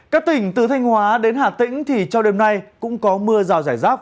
các tỉnh từ thanh hóa đến hà tĩnh thì trong đêm nay cũng có mưa rào rải rác